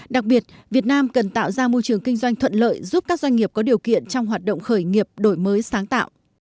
đặc biệt việt nam cần tạo ra môi trường kinh doanh thuận lợi giúp các doanh nghiệp có điều kiện trong hoạt động khởi nghiệp đổi mới sáng tạo